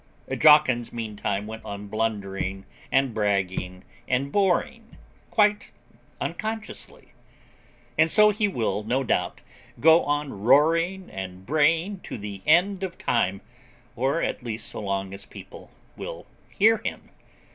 Jawkins, meanwhile, went on blundering, and bragging and boring, quite unconsciously. And so he will, no doubt, go on roaring and braying, to the end of time or at least so long as people will hear him.